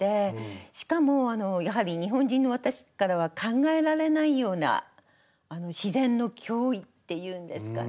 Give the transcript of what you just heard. しかもやはり日本人の私からは考えられないような自然の驚異っていうんですかね